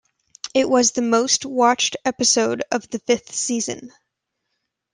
It was the most watched episode of the fifth season.